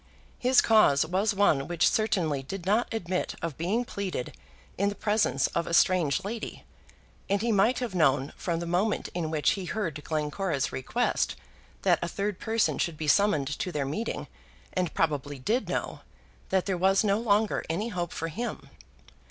His cause was one which certainly did not admit of being pleaded in the presence of a strange lady; and he might have known from the moment in which he heard Glencora's request that a third person should be summoned to their meeting and probably did know, that there was no longer any hope for him.